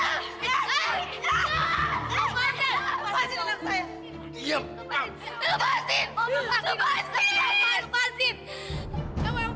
tante mau keluar dari rumah sakit jiwa